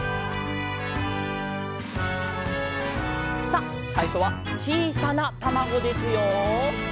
さあさいしょはちいさなたまごですよ！